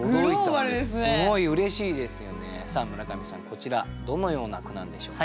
こちらどのような句なんでしょうか。